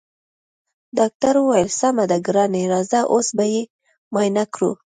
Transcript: ډاکټرې وويل سمه ده ګرانې راځه اوس به يې معاينه کړو.